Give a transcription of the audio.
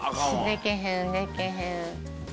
「できへんできへん」